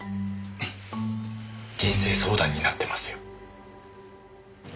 人生相談になってますよ。